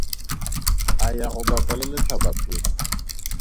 A ya go bapa le letlhabaphefo.